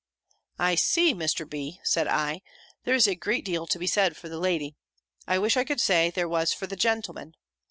"I see, Mr. B.," said I, "there is a great deal to be said for the lady. I wish I could say there was for the gentleman.